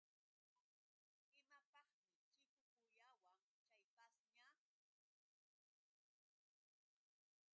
¿Imapaqmi chipupayawan chay pashña.?